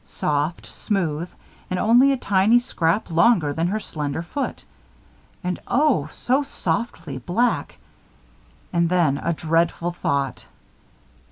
Soft, smooth, and only a tiny scrap longer than her slender foot. And oh, so softly black! And then, a dreadful thought.